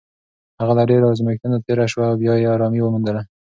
هغه له ډېرو ازمېښتونو تېره شوه او بیا یې ارامي وموندله.